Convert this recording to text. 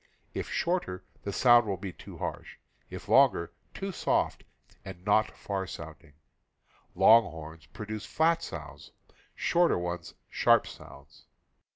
If shorter, the sound will be too harsh; if longer, too soft and not far sounding. Long horns produce flat sounds, shorter ones sharp sounds.